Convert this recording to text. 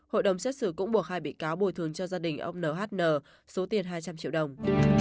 hội đồng xét xử cũng buộc hai bị cáo bồi thường cho gia đình ông nhn số tiền hai trăm linh triệu đồng